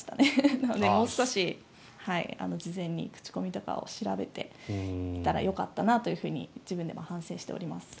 なので、もう少し事前に口コミとかを調べていたらよかったなと自分でも反省しております。